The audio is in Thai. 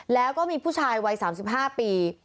แล้วก็มีผู้ชายวัย๓๕ปี